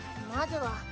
まずは。